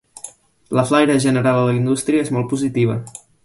La flaire general a la indústria és molt positiva.